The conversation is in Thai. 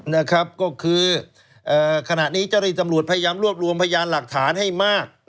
นะครับก็คือขณะนี้เจ้าหน้าที่ตำรวจพยายามรวบรวมพยานหลักฐานให้มาก